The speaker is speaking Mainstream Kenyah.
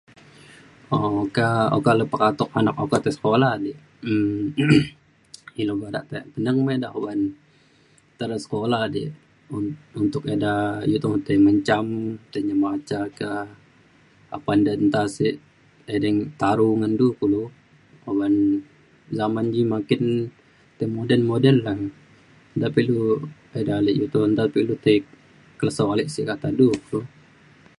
[unintelligible] oka oka le pekatok anak okale tai sekolah dik [unintelligible] ilu dak teneng me eda oban tai re sekolah dik untuk eda u to tai mencam tai nyemaca ka apan de enta sik edei taru ngan du kulu oban zaman ji makin tai moden moden la nta pilu eda alik u to nta pilu tai kelesau alik sik kata du kulu.